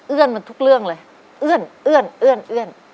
เอื้อนมาทุกเรื่องเลยเอื้อน